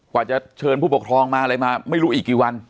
กว่าจะเชิญผู้ปกครองมาอะไรมาไม่รู้อีกกี่วัน